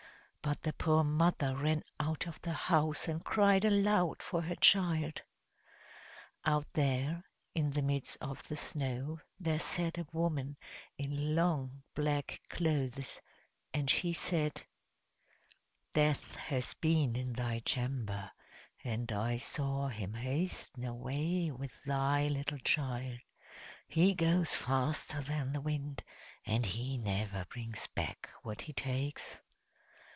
But the poor mother ran out of the house and cried aloud for her child. Out there, in the midst of the snow, there sat a woman in long, black clothes; and she said, "Death has been in thy chamber, and I saw him hasten away with thy little child; he goes faster than the wind, and he never brings back what he takes!"